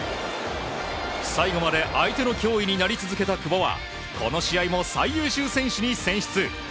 最後まで相手の脅威になり続けた久保はこの試合も最優秀選手に選出。